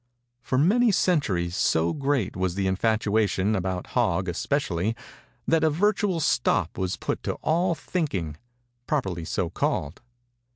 For many centuries, so great was the infatuation, about Hog especially, that a virtual stop was put to all thinking, properly so called.